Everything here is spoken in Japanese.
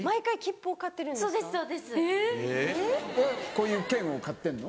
こういう券を買ってんの？